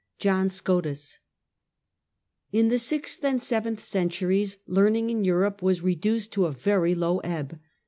JOHN SCOTUS TX the sixth and seventh centuries learning in Europe was reduced to a very low ebb.